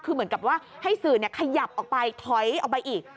คือเหมือนกับว่าให้สื่อขยับออกไปถอยออกไปอีก